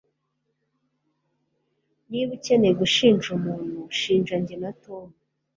Niba ukeneye gushinja umuntu shinja njye na Tom